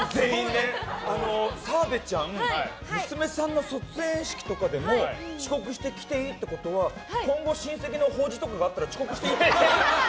澤部ちゃん娘さんの卒園式とかでも遅刻してきていいってことは今後、親戚の法事とかあったら遅刻していいってこと？